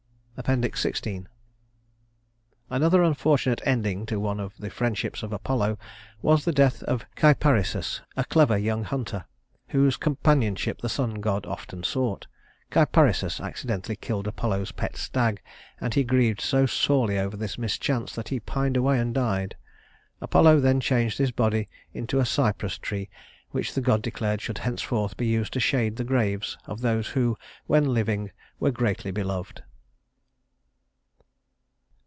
XVI Another unfortunate ending to one of the friendships of Apollo was the death of Cyparissus, a clever young hunter, whose companionship the sun god often sought. Cyparissus accidentally killed Apollo's pet stag, and he grieved so sorely over this mischance that he pined away and died. Apollo then changed his body into a Cyprus tree, which the god declared should henceforth be used to shade the graves of those who, when living, were greatly beloved.